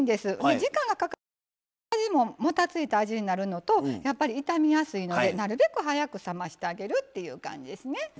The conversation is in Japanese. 時間がかかると、それだけ味ももたついた味になるのでやっぱり傷みやすいのでなるべく早く冷ましてあげるっていう感じですね。